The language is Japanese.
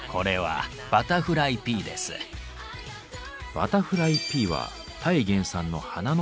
バタフライピーはタイ原産の花のハーブ。